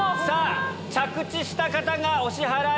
着地した方がお支払い。